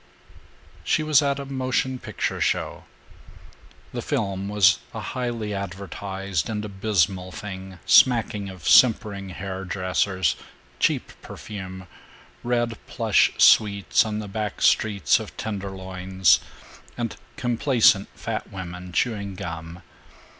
III She was at a motion picture show. The film was a highly advertised and abysmal thing smacking of simpering hair dressers, cheap perfume, red plush suites on the back streets of tenderloins, and complacent fat women chewing gum.